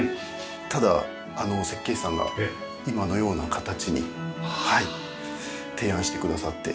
ただ設計士さんが今のような形に提案してくださって。